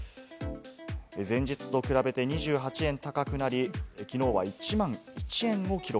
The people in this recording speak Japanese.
前日と比べ２８円高くなり、きのうは１万１円を記録。